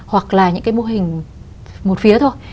hoặc là những cái mô hình một phía thôi